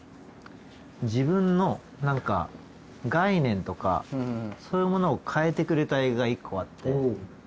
自分の何か概念とかそういうものを変えてくれた映画が１個あって。